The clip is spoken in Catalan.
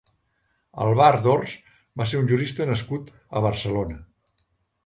Àlvar d’Ors va ser un jurista nascut a Barcelona.